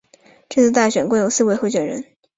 这次大选共有四位候选人。